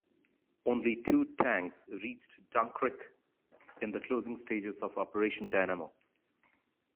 Only two tanks reached Dunkirk in the closing stages of Operation Dynamo.